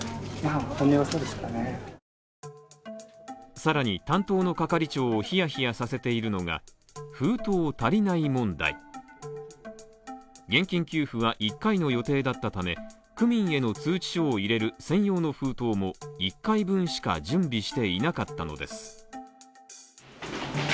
さらに、担当の係長をヒヤヒヤさせているのが、封筒足りない問題現金給付は１回の予定だったため、区民への通知書を入れる専用の封筒も１回分しか準備していなかったのです。